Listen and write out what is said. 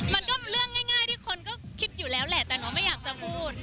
มันก็เรื่องง่ายที่คนก็คิดอยู่แล้วแหละแต่น้องไม่อยากจะพูด